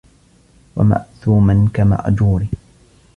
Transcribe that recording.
وَمَأْثُومًا كَمَأْجُورٍ